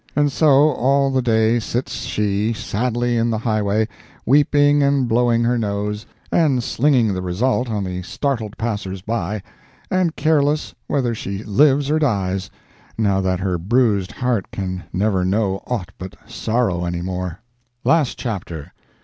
And so, all the day sits she sadly in the highway, weeping and blowing her nose, and slinging the result on the startled passers by, and careless whether she lives or dies, now that her bruised heart can never know aught but sorrow anymore. Last Chapter.